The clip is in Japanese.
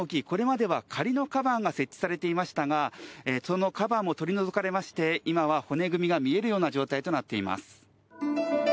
これまでは、仮のカバーが設置されていましたがそのカバーも取り除かれまして今は骨組みが見えるような状態となっています。